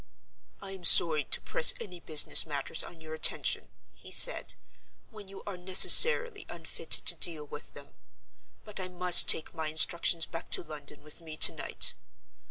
"I am sorry to press any business matters on your attention," he said, "when you are necessarily unfitted to deal with them. But I must take my instructions back to London with me to night.